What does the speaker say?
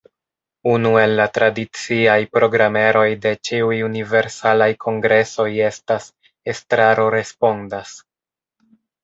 Unu el la tradiciaj programeroj de ĉiuj Universalaj Kongresoj estas ”Estraro respondas”.